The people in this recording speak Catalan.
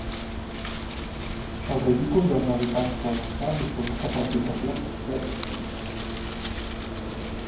El ridícul dels habitants sobre això li provoca palpitacions a Feathersmith.